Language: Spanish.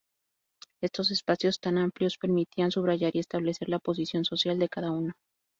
Estos espacios tan amplios permitían subrayar y establecer la posición social de cada uno.